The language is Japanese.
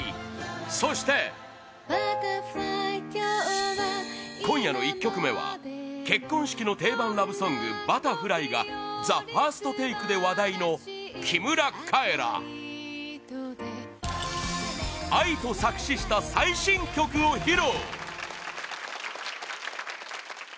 そして今夜の１曲目は結婚式の定番ラブソング「Ｂｕｔｔｅｒｆｌｙ」が「ＴＨＥＦＩＲＳＴＴＡＫＥ」で話題の木村カエラＡＩと作詞した最新曲を披露！